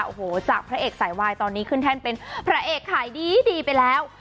โอ้โหจากพระเอกสายวายตอนนี้ขึ้นแท่นเป็นพระเอกขายดีดีไปแล้ว